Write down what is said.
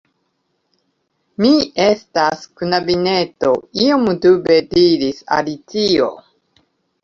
"Mi estas... knabineto," iom dube diris Alicio